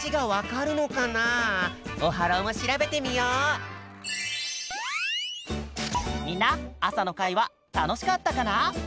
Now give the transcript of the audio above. みんな朝の会はたのしかったかな？